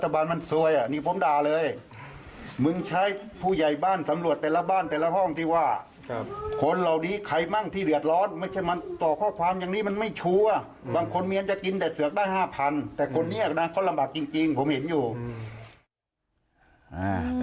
บ้านมันซวยอ่ะนี่ผมด่าเลยมึงใช้ผู้ใหญ่บ้านสำรวจแต่ละบ้านแต่ละห้องที่ว่าคนเหล่านี้ใครมั่งที่เดือดร้อนไม่ใช่มันต่อข้อความอย่างนี้มันไม่ชัวร์บางคนเมียนจะกินแต่เสือกได้ห้าพันแต่คนนี้นะเขาลำบากจริงจริงผมเห็นอยู่อืมอ่า